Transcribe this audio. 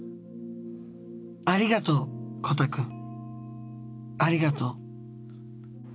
ありがとうコタくん。ありがとう」。